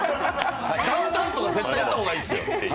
ダウンタウンとか絶対言った方がいいですよ。